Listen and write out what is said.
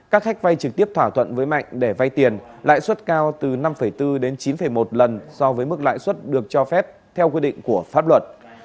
các khách vay trực tiếp thỏa thuận với mạnh để vay tiền lãi suất cao từ năm bốn đến chín một lần so với mức lãi suất được cho phép theo quy định của pháp luật